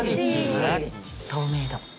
透明度。